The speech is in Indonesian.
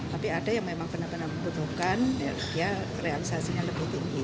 tapi ada yang memang benar benar membutuhkan ya realisasinya lebih tinggi